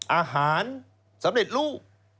อาหารสำเร็จรูป